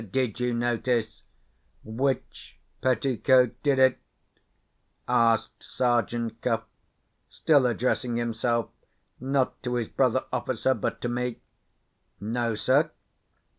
"Did you notice which petticoat did it?" asked Sergeant Cuff, still addressing himself, not to his brother officer, but to me. "No, sir."